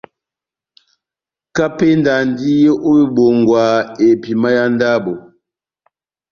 Kapenda endi ó ibongwa epima yá ndabo.